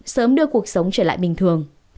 sớm đưa cuộc sống trở lại bình thường